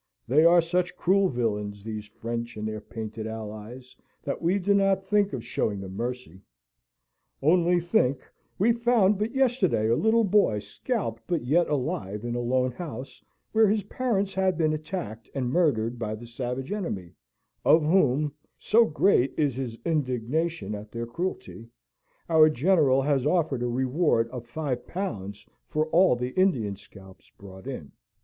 They are such cruel villains, these French and their painted allies, that we do not think of showing them mercy. Only think, we found but yesterday a little boy scalped but yet alive in a lone house, where his parents had been attacked and murdered by the savage enemy, of whom so great is his indignation at their cruelty our General has offered a reward of five pounds for all the Indian scalps brought in.